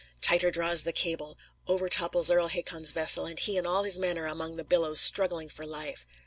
Tighter draws the cable; over topples Earl Hakon's vessel, and he and all his men are among the billows struggling for life.